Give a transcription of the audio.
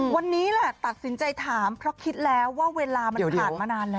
วันนี้แหละตัดสินใจถามเพราะคิดแล้วว่าเวลามันผ่านมานานแล้ว